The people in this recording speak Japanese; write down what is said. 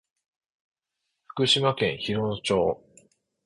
福島県広野町